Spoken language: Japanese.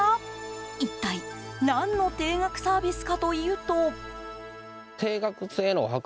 一体、何の定額サービスかというと。